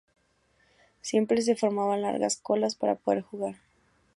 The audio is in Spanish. Siempre se formaban largas colas para poder jugar.